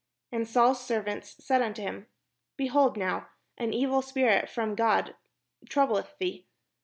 And Saul's serv ants said unto him: "Behold now, an evil spirit from God troubleth thee.